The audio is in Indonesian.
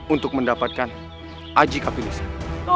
untuk mendapatkan aji kapilisan